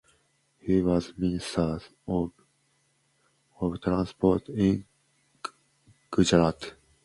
He was Ministers of Transport in Gujarat.